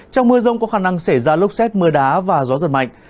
trong mưa rông có khả năng xảy ra lốc xét mưa đá và gió giật mạnh